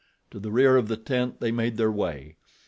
To the rear of the tent they made their way.